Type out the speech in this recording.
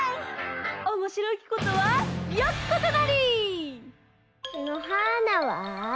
「おもしろきことはよきことなり」！のはーなは？